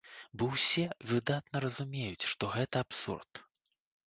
Бо ўсе выдатна разумеюць, што гэта абсурд.